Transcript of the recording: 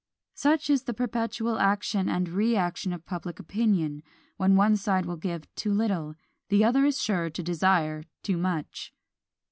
Such is the perpetual action and reaction of public opinion; when one side will give too little, the other is sure to desire too much!